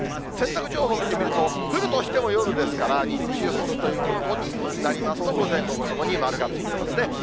洗濯情報を見てみると、降るとしても夜ですから、日中干すということになりますと、午前、午後ともに丸がついてますね。